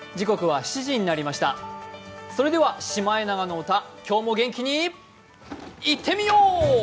それでは「シマエナガの歌」今日も元気にいってみよう。